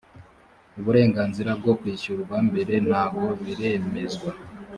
uburenganzira bwo kwishyurwa mbere ntago biremezwa